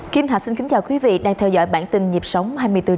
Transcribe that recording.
kim hạ xin kính chào quý vị đang theo dõi bản tin nhịp sống hai mươi bốn bảy